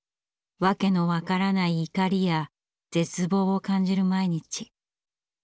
訳の分からない怒りや絶望を感じる毎日。